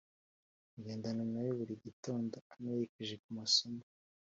ngendana nawe buri gitondo umerekeje ku masomo,